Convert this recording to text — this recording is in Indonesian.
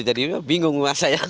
jadi bingung mas saya